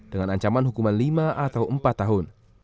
dengan ancaman hukuman lima atau empat tahun